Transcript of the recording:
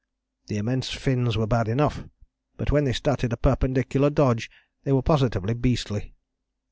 The immense fins were bad enough, but when they started a perpendicular dodge they were positively beastly.